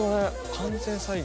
完全再現。